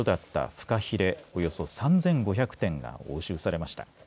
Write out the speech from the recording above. フカヒレおよそ３５００点が押収されました。